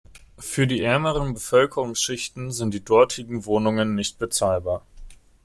Für die ärmeren Bevölkerungsschichten sind die dortigen Wohnungen nicht bezahlbar.